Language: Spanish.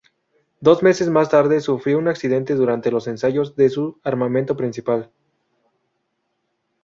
Dos meses más tarde sufrió un accidente durante los ensayos de su armamento principal.